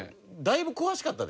だいぶ詳しかったで。